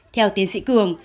theo tiến sĩ cường